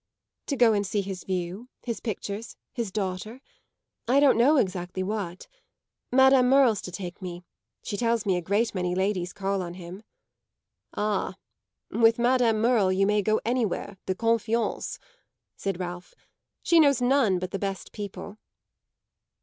"To go and see his view, his pictures, his daughter I don't know exactly what. Madame Merle's to take me; she tells me a great many ladies call on him." "Ah, with Madame Merle you may go anywhere, de confiance," said Ralph. "She knows none but the best people."